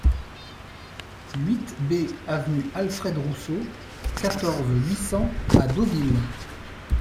huit B avenue Alfred Rousseau, quatorze, huit cents à Deauville